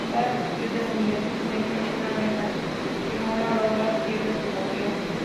Cada desafío de humillación tiene una meta, quien no la logre pierde el desafío.